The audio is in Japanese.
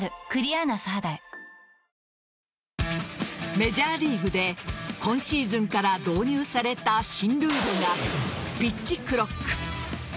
メジャーリーグで今シーズンから導入された新ルールがピッチ・クロック。